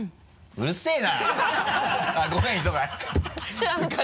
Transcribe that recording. うるせぇな。